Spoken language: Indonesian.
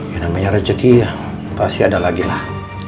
yang namanya rezeki ya pasti ada lagi lah